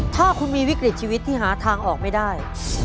ถ้าคุณมีวิกฤตชีวิตที่หาทางออกไม่ได้